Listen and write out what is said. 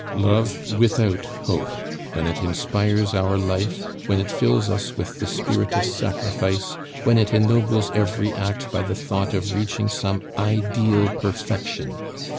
"Love without hope, when it inspires our life, when it fills us with the spirit of sacrifice, when it ennobles every act by the thought of reaching some ideal perfection.